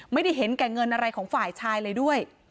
ไม่ได้เห็นแก่เงินอะไรของฝ่ายชายเลยด้วย